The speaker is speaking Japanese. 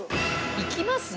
いきますね。